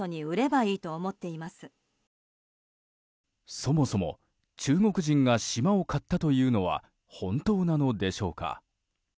そもそも中国人が島を買ったというのは本当なのでしょうか。